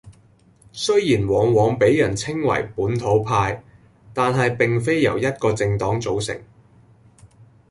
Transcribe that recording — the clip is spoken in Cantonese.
雖然往往畀人稱為「本土派」，但係並非由一個政黨組成